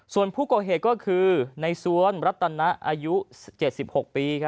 ส่วนผู้ก่อเหตุก็คือในสวนรัตนะอายุ๗๖ปี